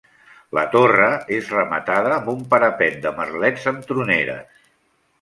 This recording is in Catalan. La torre és rematada amb un parapet de merlets amb troneres.